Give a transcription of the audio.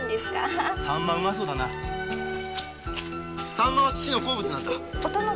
サンマは父の好物なんだ。